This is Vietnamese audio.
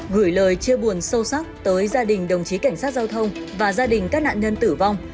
gửi lời chia buồn sâu sắc tới gia đình đồng chí cảnh sát giao thông và gia đình các nạn nhân tử vong